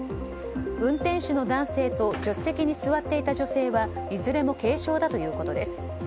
運転手の男性と助手席に座っていた女性はいずれも軽傷だということです。